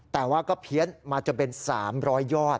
แต่ว่าก็เพี้ยนมาจนเป็น๓๐๐ยอด